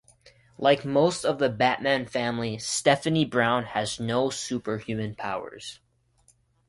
Like most of the Batman family, Stephanie Brown has no superhuman powers.